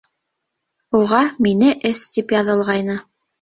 Уға «МИНЕ ЭС» тип яҙылғайны.